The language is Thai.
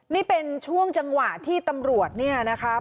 นี่เป็นช่วงจังหวะที่ตำรวจเนี่ยนะครับ